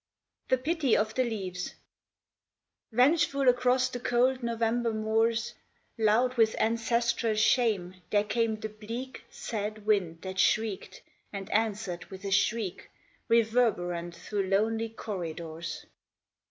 The Pity of the Leaves Vengeful across the cold November moors, Loud with ancestral shame there came the bleak Sad wind that shrieked, and answered with a shriek, Reverberant through lonely corridors.